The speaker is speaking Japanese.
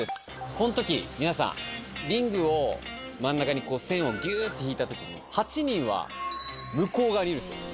この時皆さんリングを真ん中に線をギューって引いた時に８人は向こう側にいるんですよ。